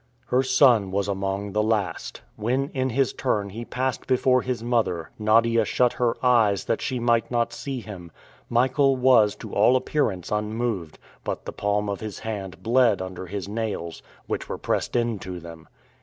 Her son was among the last. When in his turn he passed before his mother, Nadia shut her eyes that she might not see him. Michael was to all appearance unmoved, but the palm of his hand bled under his nails, which were pressed into them.